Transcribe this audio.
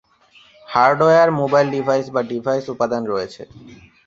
Hardware mobile device বা device উপাদান রয়েছে।